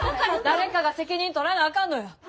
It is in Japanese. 誰かが責任取らなあかんのや。